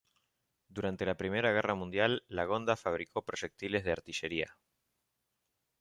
Durante la Primera Guerra Mundial Lagonda fabricó proyectiles de artillería.